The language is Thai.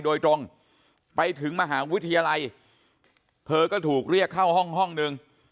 โดยตรงไปถึงมหาวิทยาลัยเธอก็ถูกเรียกเข้าห้องห้องนึง